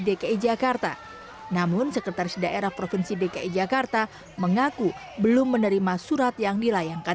dki jakarta namun sekretaris daerah provinsi dki jakarta mengaku belum menerima surat yang dilayangkan